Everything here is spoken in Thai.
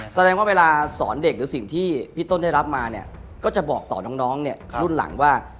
แสดงว่าเวลาสอนเด็กหรือสิ่งที่พี่ต้นได้รับมาเนี่ยก็จะบอกต่อน้องเนี่ยรุ่นหลังว่า